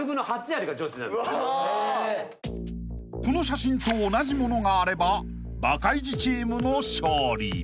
［この写真と同じものがあればバカイジチームの勝利］